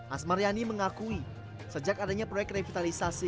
asmar yani mengakui sejak adanya proyek revitalisasi